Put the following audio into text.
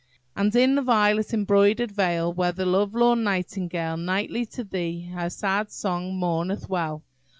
"And in the violet embroider'd vale, Where the love lorn nightingale Nightly to thee her sad song mourneth well."